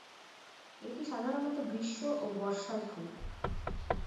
এটি সাধারণত গ্রীষ্ম ও বর্ষার ফুল।